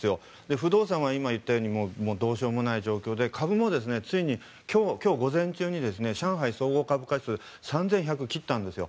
不動産は今、言ったようにどうしようもない状況で株もついに今日午前中に上海総合株価指数３１００を切ったんですよ。